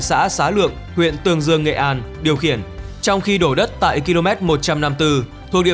xã xá lượng huyện tương dương nghệ an điều khiển trong khi đổ đất tại km một trăm năm mươi bốn thuộc địa